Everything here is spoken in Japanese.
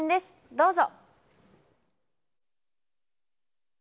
どうぞ。